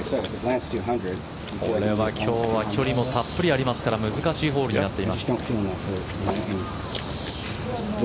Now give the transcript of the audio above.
これは、今日は距離もたっぷりありますから難しいホールになっています。